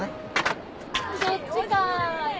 そっちか。